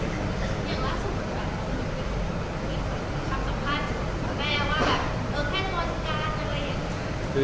สมบัติว่าของหนูอีกนิดนึง